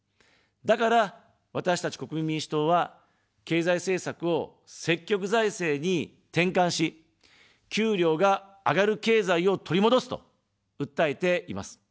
だから、私たち国民民主党は、経済政策を積極財政に転換し、給料が上がる経済を取り戻すと訴えています。